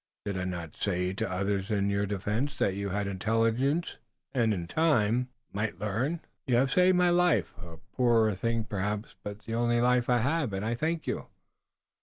"Did I not say to others in your defense that you had intelligence and, in time, might learn? You have saved my life, a poor thing perhaps, but the only life I have, and I thank you."